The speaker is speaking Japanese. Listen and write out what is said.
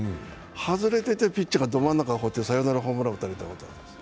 外れててピッチャーがど真ん中に放ってサヨナラホームラン打たれた。